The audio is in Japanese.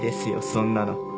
そんなの。